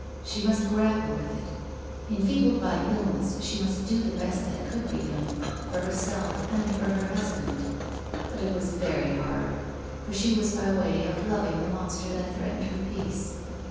She must grapple with it. Enfeebled by illness, she must do the best that could be done, for herself and her hus band. But it was very hard. For she was by way of loving the monster that threatened her peace.